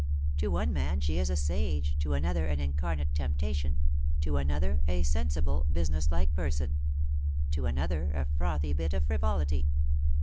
To one man she is a sage, to another an incarnate temptation, to another a sensible, business like person, to another a frothy bit of frivolity.